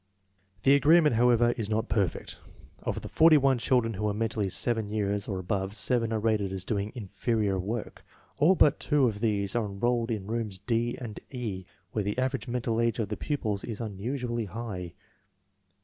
The agreement, however, is not perfect. Of the 41 children who are mentally 7 years or above, 7 .are rated as doing "inferior" work. All but 2 of these are enrolled in rooms D and E, where the average mental age of the pupils is unusually high.